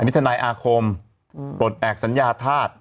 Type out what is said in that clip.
อันนี้ทนายอาคมบทแอบสัญญาธาตุ